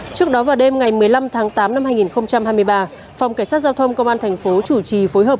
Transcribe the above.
trước đó vào đêm ngày một mươi năm tháng tám năm hai nghìn hai mươi ba phòng cảnh sát giao thông công an thành phố chủ trì phối hợp